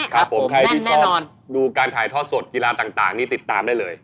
ครับผมใครที่ชอบดูการถ่ายทอดสดกีฬาต่างนี่ติดตามได้เลย